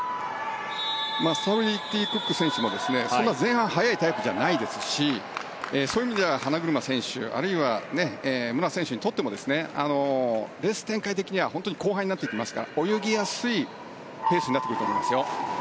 スタブルティ・クック選手も前半、速いタイプじゃないですしそういう意味では花車選手あるいは武良選手にとってもレース展開的には後半になってきますが泳ぎやすいペースになってくると思いますよ。